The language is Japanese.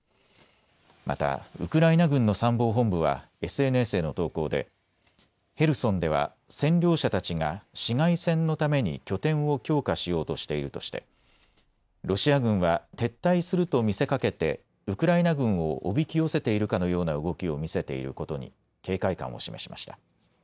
またウクライナ軍の参謀本部はＳＮＳへの投稿でヘルソンでは占領者たちが市街戦のために拠点を強化しようとしているとして、ロシア軍は撤退すると見せかけてウクライナ軍をおびき寄せているかのような動きを見せていることに警戒感を示しました。